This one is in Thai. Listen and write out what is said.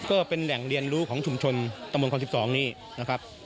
ก็เป็นแหล่งเรียนรู้ของชุมชนตำบลคอ๑๒นี่นะครับ